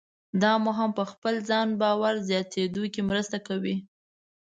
دا مو هم په خپل ځان باور زیاتېدو کې مرسته کوي.